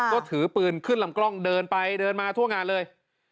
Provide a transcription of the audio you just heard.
ก็ถือปืนขึ้นลำกล้องเดินไปเดินมาทั่วงานเลย